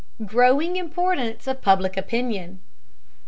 GROWING IMPORTANCE OF PUBLIC OPINION.